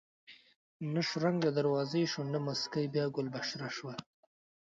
نه شرنګ د دروازې شو نه موسکۍ بیا ګل بشره شوه